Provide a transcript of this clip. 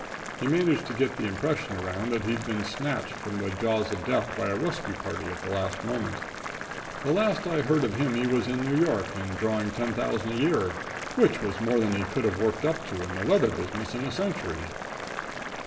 He managed to get the impression around that he'd been snatched from the jaws of death by a rescue party at the last moment. The last I heard of him he was in New York and drawing ten thousand a year, which was more than he could have worked up to in the leather business in a century.